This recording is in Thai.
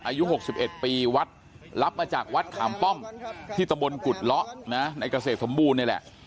อายุ๖๑ปีวัดรับมาจากวัดขามป้อมที่ตำบลกุฎเลาะนะในเกษตรสมบูรณ์นี่แหละ